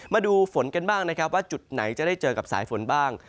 มาดูฝนกันบ้างนะครับว่าจุดไหนจะได้เจอกับสายฝนบ้าง